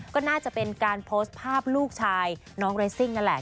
ก็น่าจะเป็นการโพสต์ภาพลูกชายน้องเรสซิ่งนั่นแหละ